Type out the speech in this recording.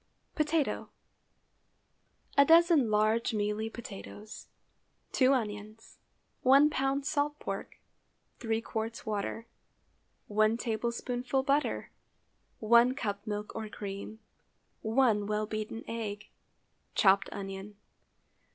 POTATO. A dozen large mealy potatoes. 2 onions. 1 lb. salt pork. 3 qts. water. 1 tablespoonful butter. 1 cup milk or cream. 1 well beaten egg. Chopped onion.